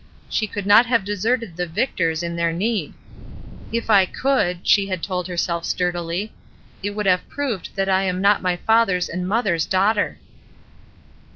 She could not have deserted the Victors in their need. " If I could," she had told herself sturdily, "it would have proved that I am not my father's and mother's daughter."